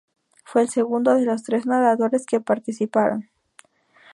Fue el segundo de los tres nadadores que participaron.